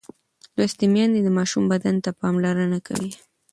لوستې میندې د ماشوم بدن ته پاملرنه کوي.